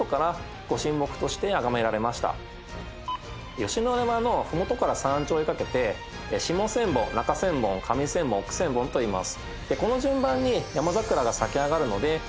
吉野山の麓から山頂へかけて下千本中千本上千本奥千本といいます。